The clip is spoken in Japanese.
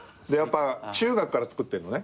中学から作ってるのね。